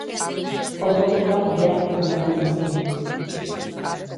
Ondorengoak berak kontatu dizkigu.